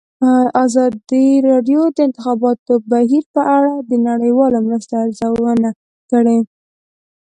ازادي راډیو د د انتخاباتو بهیر په اړه د نړیوالو مرستو ارزونه کړې.